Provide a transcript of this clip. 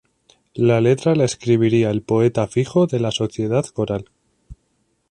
La letra la escribiría el poeta fijo de la sociedad coral.